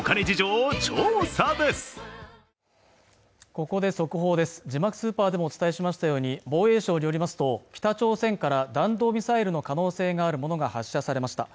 ここで速報です字幕スーパーでもお伝えしましたように防衛省によりますと北朝鮮から弾道ミサイルの可能性があるものが発射されました